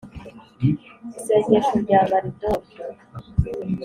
isengesho rya maridoke